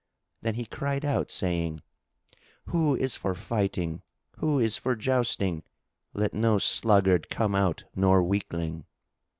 Then he cried out, saying, "Who is for fighting? Who is for jousting? Let no sluggard come out nor weakling!"